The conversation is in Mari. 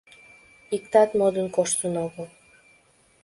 Иктат модын коштын огыл.